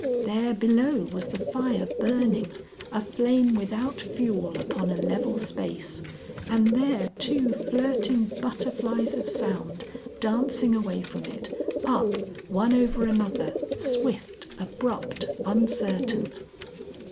There below was the fire burning, a flame without fuel upon a level space, and there two flirting butterflies of sound, dancing away from it, up, one over another, swift, abrupt, uncertain.